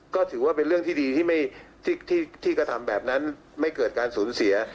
ก็ถือว่าเป็นเรื่องที่ดีที่กระทำแบบนั้นไม่เกิดการสูญเสีย